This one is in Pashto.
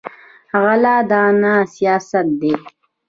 غله دانه سیاست دی.